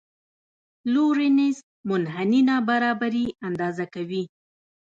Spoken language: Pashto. لورینز منحني نابرابري اندازه کوي.